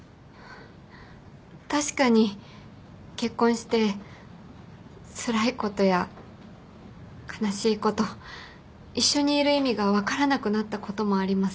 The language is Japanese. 確かに結婚してつらいことや悲しいこと一緒にいる意味が分からなくなったこともあります。